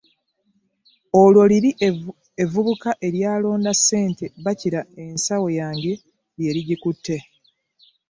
Olwo liri evvubuka eryalonda ssente bakira ensawo yange lye ligikutte.